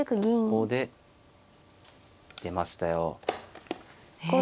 ここで出ましたよ。へえ。